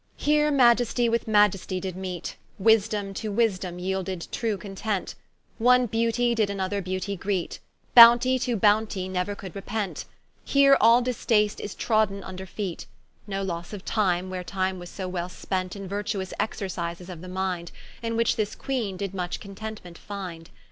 Here Maiestie with Maiestie did meete; Wisdome to Wisdome yeelded true content, One Beauty did another Beauty greet, Bounty to Bountie neuer could repent; Here all distaste is troden vnder feet, No losse of time, where time was so well spent In virtuous exercises of the minde, In which this Queene did much contentment finde.